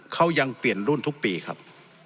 เขายังเปลี่ยนรุ่นทุกปีครับ